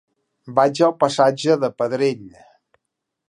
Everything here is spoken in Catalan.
Vaig al passatge de Pedrell.